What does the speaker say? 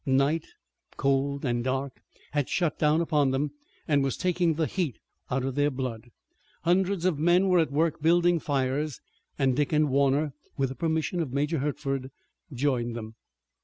Night, cold and dark, had shut down upon them and was taking the heat out of their blood. Hundreds of men were at work building fires, and Dick and Warner, with the permission of Major Hertford, joined them.